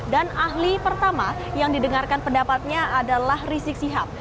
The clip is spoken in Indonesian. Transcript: dan ahli pertama yang didengarkan pendapatnya adalah rizik sihab